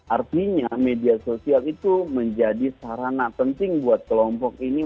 artinya media sosial itu menjadi sarana penting buat kelompok ini